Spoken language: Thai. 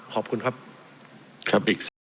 สงบจนจะตายหมดแล้วครับ